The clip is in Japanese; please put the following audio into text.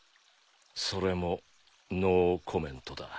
それもノーコメントだ。